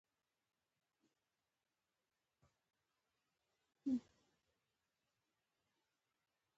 ازادي راډیو د بهرنۍ اړیکې د اړونده قوانینو په اړه معلومات ورکړي.